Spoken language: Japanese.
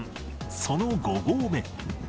その５合目。